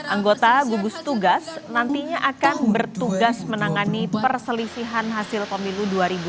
anggota gugus tugas nantinya akan bertugas menangani perselisihan hasil pemilu dua ribu dua puluh